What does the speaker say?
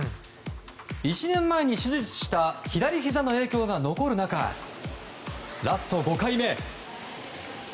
１年前に手術した左ひざの影響が残る中ラスト５回目。